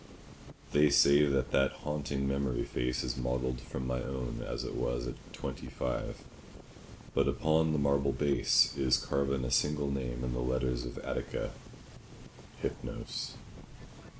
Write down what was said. They say that that haunting memory face is modelled from my own, as it was at twenty five, but upon the marble base is carven a single name in the letters of Attica—'ΥΠΝΟΣ.